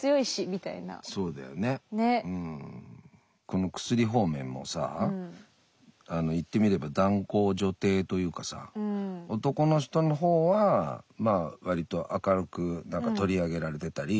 この薬方面もさ言ってみれば男高女低というかさ男の人の方はまあわりと明るく取り上げられてたり手に入りやすかったり。